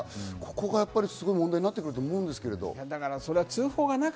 ここがすごく問題になってくると思うんですけど。